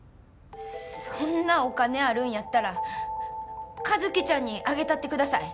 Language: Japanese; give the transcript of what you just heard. そんなお金あるんやったら和希ちゃんにあげたってください。